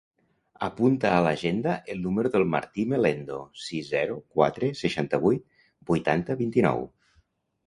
Apunta a l'agenda el número del Martí Melendo: sis, zero, quatre, seixanta-vuit, vuitanta, vint-i-nou.